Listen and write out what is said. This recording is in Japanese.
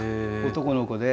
男の子で。